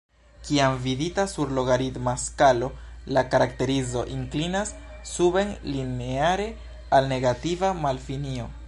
Kiam vidita sur logaritma skalo la karakterizo inklinas suben lineare al negativa malfinio.